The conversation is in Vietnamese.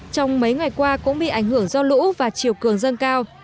trong mấy ngày qua cũng bị ảnh hưởng do lũ và chiều cường dâng cao